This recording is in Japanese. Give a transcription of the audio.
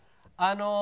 あの。